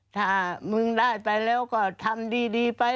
ถ้ามึงได้ไปแล้วก็ทำดีไป